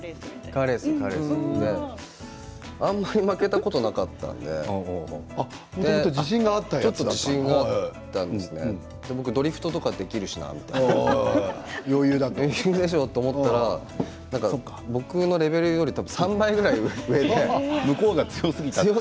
あんまり負けたことがなかったのでちょっと自信があったんですが僕、ドリフトとかできるしなって余裕でしょと思ったら僕のレベルより多分３倍ぐらい上で。